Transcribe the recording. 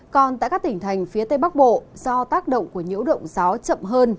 còn tại các tỉnh thành phía tây bắc bộ do tác động của nhiễu động gió chậm hơn